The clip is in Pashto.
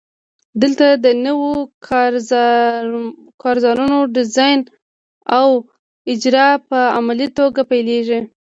دلته د نویو کارزارونو ډیزاین او اجرا په عملي توګه پیلیږي.